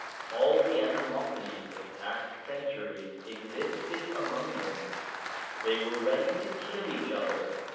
All the ani mosities of past centuries existed among them. They were ready to kill each other.